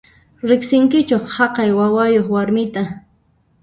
Riqsinkichu haqay wawayuq warmita?